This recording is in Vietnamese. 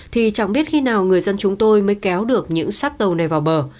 thì chẳng biết khi nào người dân chúng tôi mới kéo được những xác tàu này vào bờ